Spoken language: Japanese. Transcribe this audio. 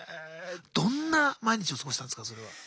どんな毎日を過ごしてたんですか？